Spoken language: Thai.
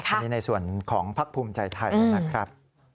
อันนี้ในส่วนของพักภูมิใจไทยนะครับ